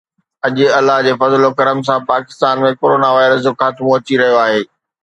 اڄ الله جي فضل و ڪرم سان پاڪستان ۾ ڪرونا وائرس جو خاتمو اچي رهيو آهي